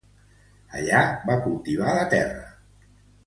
Allí va cultivar la terra.